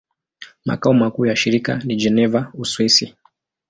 Makao makuu ya shirika ni Geneva, Uswisi.